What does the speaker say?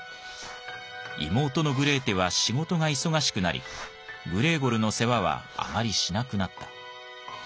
妹のグレーテは仕事が忙しくなりグレーゴルの世話はあまりしなくなった。